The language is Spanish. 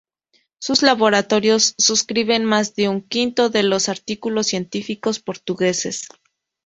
Sus laboratorios suscriben más de un quinto de los artículos científicos portugueses.